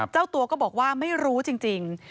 เจ้าตัวก็บอกว่าไม่รู้จริง